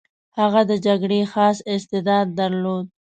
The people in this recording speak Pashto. هغه د جګړې خاص استعداد درلود.